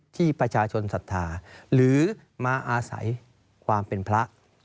ที่ประชาชนศรัทธาหรือมาอาศัยความเป็นพระ